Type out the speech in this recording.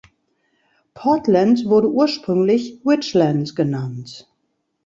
Portland wurde ursprünglich Richland genannt.